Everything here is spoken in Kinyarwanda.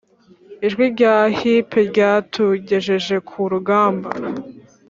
ijwi rya hipe ryatugejeje ku rugamba